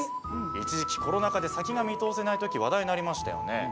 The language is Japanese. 一時期、コロナ禍で先が見通せない時話題になりましたよね。